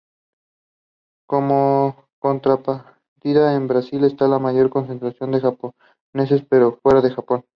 Como contrapartida en Brasil está la mayor concentración de japoneses fuera de Japón.